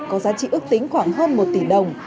có giá trị ước tính khoảng hơn một tỷ đồng